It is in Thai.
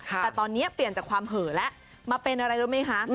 แต่ตอนนี้เปลี่ยนจากความเหอะแล้วมาเป็นอะไรรู้ไหมคะ